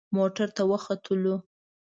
موټر ته وختلو.